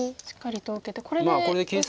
しっかりと受けてこれで上辺は。